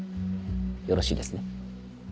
よろしいですね？